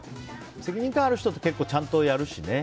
責任感ある人って結構ちゃんとやっちゃうしね。